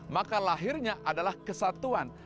maka lahirnya adalah kesatuan